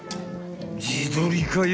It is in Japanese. ［自撮りかよ